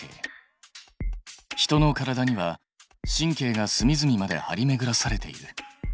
人の体には神経がすみずみまで張りめぐらされている。